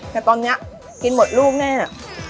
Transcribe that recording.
แต่ตอนนี้กินหมดลูกแน่